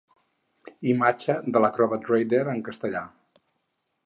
Imatge de l'Acrobat Reader en castellà.